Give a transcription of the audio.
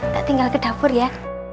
gak tinggal ke dapur ya